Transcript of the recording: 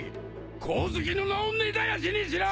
光月の名を根絶やしにしろ！